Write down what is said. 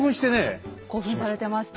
興奮されてましたよね。